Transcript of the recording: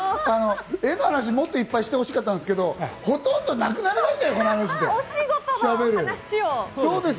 絵の話もっといっぱいしてほしかったんですけど、ほとんどなくなりましたよ、この話で。